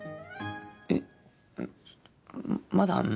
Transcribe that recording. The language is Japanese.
えっまだあんの？